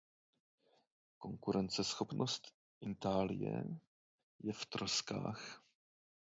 Konkurenceschopnost Itálie je v troskách.